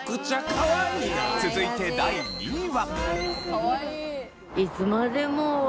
続いて第２位は。